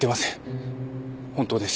本当です。